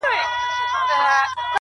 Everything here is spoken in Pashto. لوړ هدفونه لویې قربانۍ غواړي؛